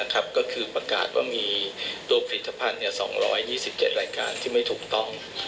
ก็คือประกาศว่ามีตัวผลิตภัณฑ์๒๒๗รายการที่ไม่ถูกต้อง